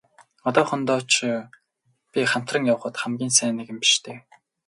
Одоохондоо ч би хамтран явахад хамгийн сайн нэгэн биш дээ.